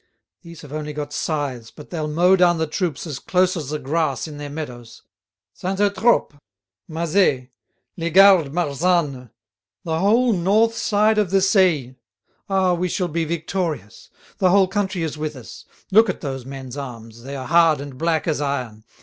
These have only got scythes, but they'll mow down the troops as close as the grass in their meadows—Saint Eutrope! Mazet! Les Gardes, Marsanne! The whole north side of the Seille! Ah, we shall be victorious! The whole country is with us. Look at those men's arms, they are hard and black as iron.